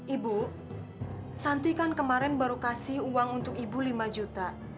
ibu santi kan kemarin baru kasih uang untuk ibu lima juta